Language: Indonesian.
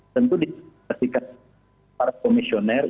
tentu diperhatikan para komisioner